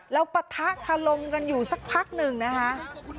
แล้วปะทะทะลมกันอยู่สักพักหนึ่งนะคะ